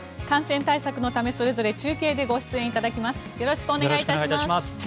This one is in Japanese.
感染対策のためそれぞれ中継でご出演いただきます。